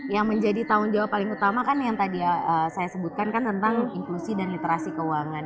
yang menjadi tanggung jawab paling utama kan yang tadi saya sebutkan kan tentang inklusi dan literasi keuangan